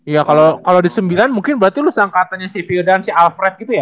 ya kalau di sembilan mungkin berarti lu sangkatanya si firdan si alfred gitu ya